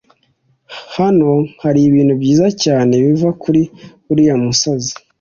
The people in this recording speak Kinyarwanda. Hano haribintu byiza cyane biva kuri uriya musozi